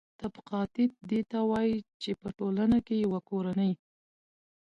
طبقاتیت دې ته وايي چې په ټولنه کې یوه کورنۍ